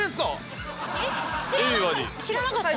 知らなかったの？